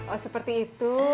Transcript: oh seperti itu